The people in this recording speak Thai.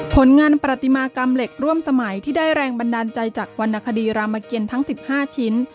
ผลงานประติมากรรมเหล็กร่วมสมัยที่ได้แรงบันดาลใจจากวรรณคดีรามเกียรทั้ง๑๕ชิ้น